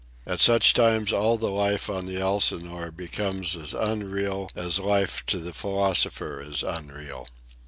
At such moments all the life on the Elsinore becomes as unreal as life to the philosopher is unreal.